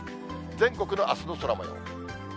全国のあすの空もよう。